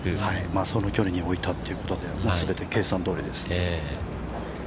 ◆その距離に置いたということで、全て計算どおりですね。